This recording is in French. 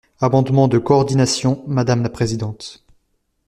Amendement de coordination, madame la présidente.